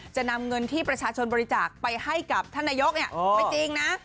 จะนำเงินที่ประชาชนบริจาคไปให้กับท่านนายกไม่จริงนะ